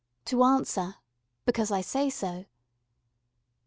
to answer "Because I say so."